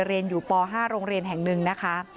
เรียนอยู่ป๕โรงเรียนแห่งหนึ่งนะคะ